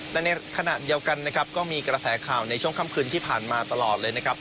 แต่ในขณะเดียวกันนะครับก็มีกระแสข่าวในช่วงค่ำคืนที่ผ่านมาตลอดเลยนะครับ